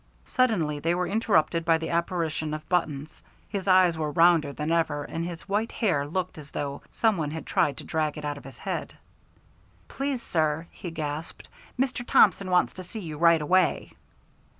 Suddenly they were interrupted by the apparition of Buttons. His eyes were rounder than ever, and his white hair looked as though some one had tried to drag it out of his head. "Please, sir," he gasped, "Mr. Thompson wants to see you right away."